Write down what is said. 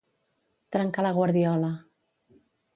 Trencar la guardiola.